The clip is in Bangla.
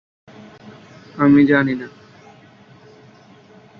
ইসলাম পূর্ব আরবদের একজন সিংহ- দেবতা ছিল, ইয়াগুথ।